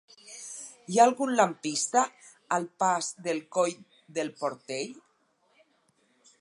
Hi ha algun lampista al pas del Coll del Portell?